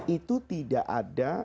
itu tidak ada